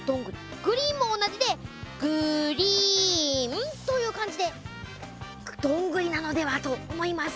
「グリーン」も同じで「グ」「リ」「ー」「ン」という感じで「ドングリ」なのではと思います。